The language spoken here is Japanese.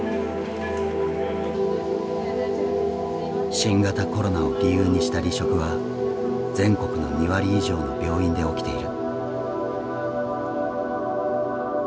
新型コロナを理由にした離職は全国の２割以上の病院で起きている。